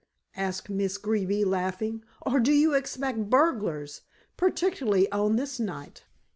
asked Miss Greeby, laughing. "Or do you expect burglars, particularly on this night."